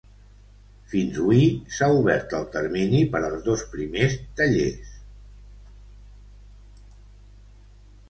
Fins hui, s’ha obert el termini per als dos primers tallers.